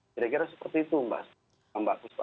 kira kira seperti itu mbak kuspa